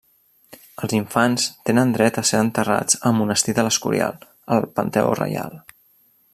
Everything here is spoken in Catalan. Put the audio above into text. Els infants tenen dret a ser enterrats al Monestir de l'Escorial, al panteó reial.